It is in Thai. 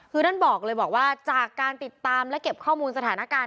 คือท่านบอกเลยบอกว่าจากการติดตามและเก็บข้อมูลสถานการณ์